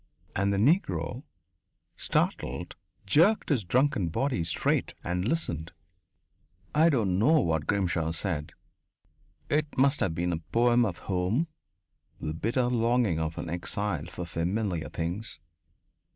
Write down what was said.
And the Negro, startled, jerked his drunken body straight and listened. I don't know what Grimshaw said. It must have been a poem of home, the bitter longing of an exile for familiar things.